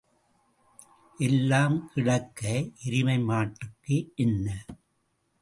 எல்லாம் கிடக்க எருமை மாட்டுக்கு என்ன?